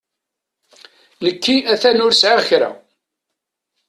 Nekki a-t-an ur sɛiɣ kra.